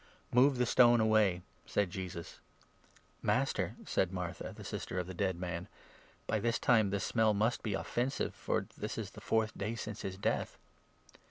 " Move the stone away," said Jesus. 39 " Master," said Martha, the sister of the dead man, " by this time the smell must be offensive, for this is the fourth day since his death."